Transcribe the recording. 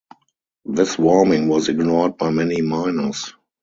This warning was ignored by many miners.